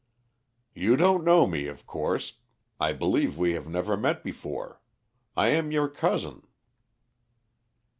"You don't know me, of course. I believe we have never met before. I am your cousin."